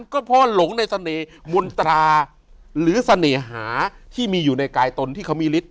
ก็เพราะหลงในเสน่ห์มนตราหรือเสน่หาที่มีอยู่ในกายตนที่เขามีฤท